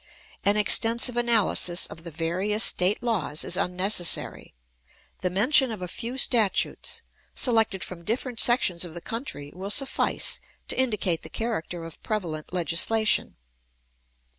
An extensive analysis of the various State laws is unnecessary; the mention of a few statutes, selected from different sections of the country, will suffice to indicate the character of prevalent legislation.